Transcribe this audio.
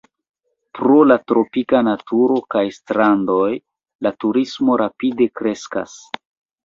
Pro la tropika naturo kaj strandoj la turismo rapide kreskas.